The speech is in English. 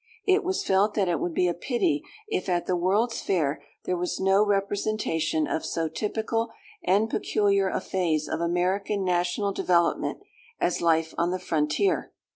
It was felt that it would be a pity if at the World's Fair there was no representation of so typical and peculiar a phase of American national development as life on the frontier.